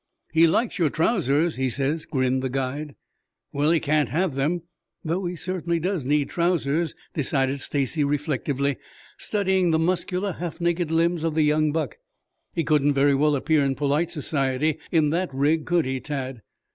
"He likes your trousers, he says," grinned the guide. "Well, he can't have them, though he certainly does need trousers," decided Stacy reflectively, studying the muscular, half naked limbs of the young buck. "He couldn't very well appear in polite society in that rig, could he, Tad?"